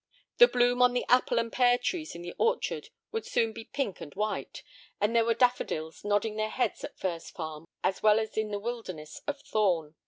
The bloom on the apple and pear trees in the orchard would soon be pink and white, and there were daffodils nodding their heads at Furze Farm as well as in the wilderness of Thorn.